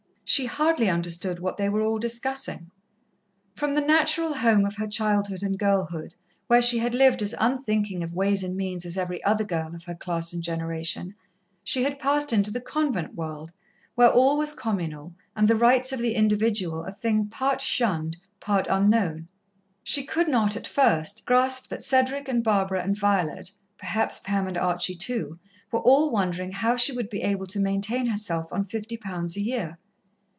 She hardly understood what they were all discussing. From the natural home of her childhood and girlhood, where she had lived as unthinking of ways and means as every other girl of her class and generation, she had passed into the convent world, where all was communal, and the rights of the individual a thing part shunned, part unknown. She could not, at first, grasp that Cedric and Barbara and Violet, perhaps Pam and Archie, too, were all wondering how she would be able to maintain herself on fifty pounds a year.